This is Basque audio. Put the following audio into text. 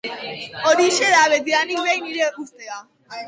Horixe da, behinik behin, nire ustea.